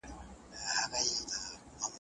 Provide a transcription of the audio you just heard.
کیفیت د دې لامل شوی چې بیه یې لوړه وي.